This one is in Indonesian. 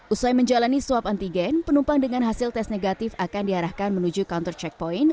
usai menjalani swab antigen penumpang dengan hasil tes negatif akan diarahkan menuju kantor checkpoint